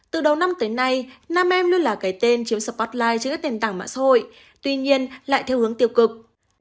từ đầu năm tới nay nam em luôn là cái tên chiếm sậpotly trên các nền tảng mạng xã hội tuy nhiên lại theo hướng tiêu cực